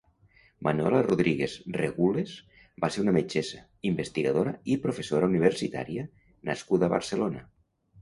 Manuela Martínez Regúlez va ser una metgessa, investigadora i professora universitària nascuda a Barcelona.